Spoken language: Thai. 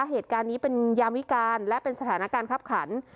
เหตุการณ์นี้เป็นยามวิการและเป็นสถานการณ์คับขัน